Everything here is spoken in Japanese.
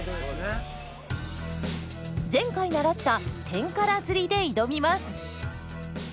前回習ったテンカラ釣りで挑みます。